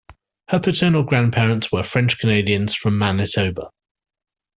Her paternal grandparents were French-Canadians from Manitoba.